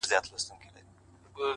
• که زندان که پنجره وه نس یې موړ وو ,